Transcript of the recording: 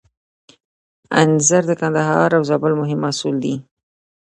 انځر د کندهار او زابل مهم محصول دی.